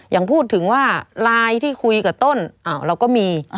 อย่างพูดถึงว่าไลน์ที่คุยกับต้นเราก็มี